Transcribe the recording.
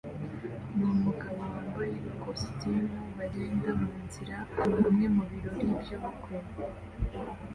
numugabo wambaye ikositimu bagenda munzira hamwe mubirori byubukwe